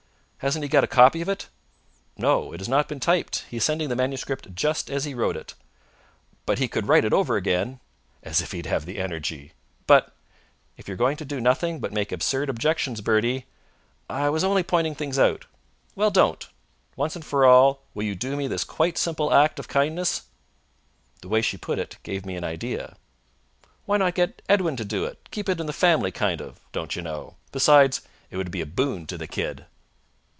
"Hasn't he got a copy of it?" "No; it has not been typed. He is sending the manuscript just as he wrote it." "But he could write it over again." "As if he would have the energy!" "But " "If you are going to do nothing but make absurd objections, Bertie " "I was only pointing things out." "Well, don't! Once and for all, will you do me this quite simple act of kindness?" The way she put it gave me an idea. "Why not get Edwin to do it? Keep it in the family, kind of, don't you know. Besides, it would be a boon to the kid."